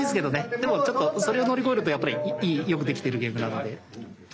でもちょっとそれを乗り越えるとやっぱりよくできてるゲームなので。